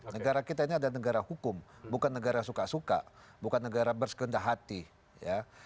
negara kita ini adalah negara hukum bukan negara suka suka bukan negara bersekendah hati ya